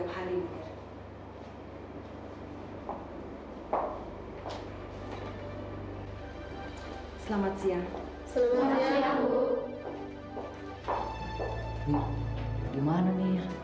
nah waktunya sudah habis